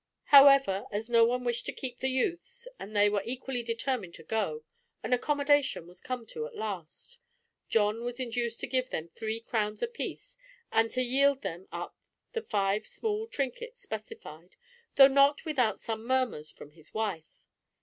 However, as no one wished to keep the youths, and they were equally determined to go, an accommodation was come to at last. John was induced to give them three crowns apiece and to yield them up the five small trinkets specified, though not without some murmurs from his wife.